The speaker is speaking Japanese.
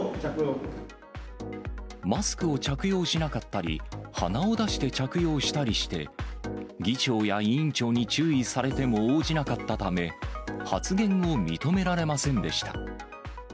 マスクを着用しなかったり、鼻を出して着用したりして、議長や委員長に注意されても応じなかったため、発言を認められませんでした。